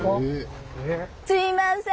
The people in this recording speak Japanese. すいません！